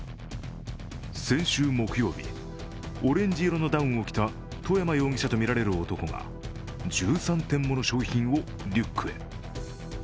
先週木曜日、オレンジ色のダウンを着た外山容疑者とみられる男が１３点もの商品をリュックへ。